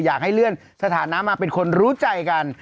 อยากให้เลื่อนสถานะมาเป็นคนรู้ใจกัน